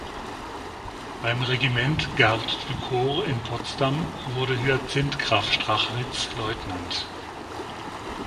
Beim Regiment Garde du Corps in Potsdam wurde Hyazinth Graf Strachwitz Leutnant.